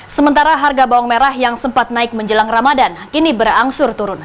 sementara harga bawang merah yang sempat naik menjelang ramadan kini berangsur turun